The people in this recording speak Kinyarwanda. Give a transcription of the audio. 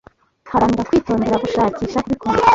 Haranira kwitondera gushakisha Kubikora